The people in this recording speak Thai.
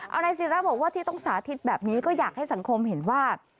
เอานายศิราบอกว่าที่ต้องสาธิตแบบนี้ก็อยากให้สังคมเห็นว่า